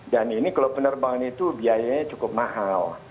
dan ini kalau penerbangan itu biayanya cukup mahal